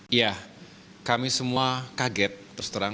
iya kami semua kaget terus terang